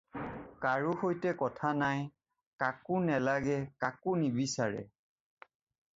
কাৰো সৈতে কথা নাই, কাকো নেলাগে, কাকো নিবিচাৰে।